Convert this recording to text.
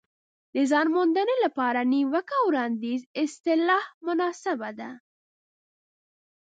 د ځان موندنې لپاره نیوکه او وړاندیز اصطلاح مناسبه ده.